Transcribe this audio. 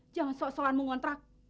jangan sok sokan mengontrak